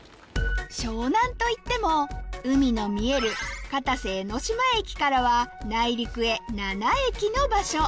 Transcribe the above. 湘南といっても海の見える片瀬江ノ島駅からは内陸へ７駅の場所